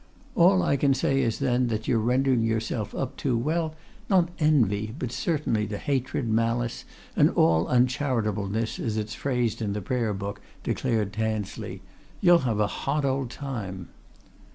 "All I can say is, then, that you're rendering yourself up to well, not envy, but certainly to hatred, malice and all uncharitableness, as it's phrased in the Prayer Book," declared Tansley. "You'll have a hot old time!"